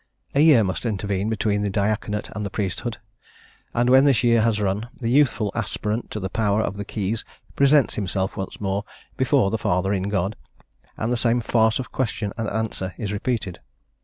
A year must intervene between the diaconate and the priesthood, and when this year has run, the youthful aspirant to the power of the keys presents himself once more before the Father in God, and the same farce of question and answer is repeated.